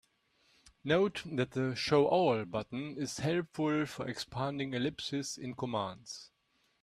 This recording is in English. Note that the "Show all" button is helpful for expanding ellipses in commands.